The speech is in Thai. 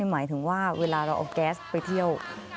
หมายถึงว่าเวลาเราเอาแก๊สไปเที่ยว